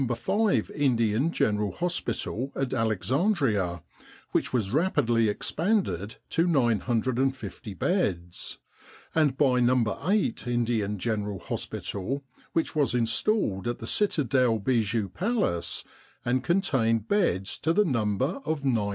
5 Indian General Hospital at Alexandria, which was rapidly expanded to 950 beds; and by No. 8 Indian General Hospital, which was installed at the Citadel Bijou Palace, and contained beds to the number of 900.